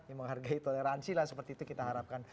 ya menghargai toleransi lah seperti itu kita harapkan